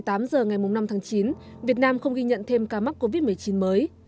tính từ sáu h đến một mươi tám h ngày mùng năm tháng chín việt nam không ghi nhận thêm ca mắc covid một mươi chín mới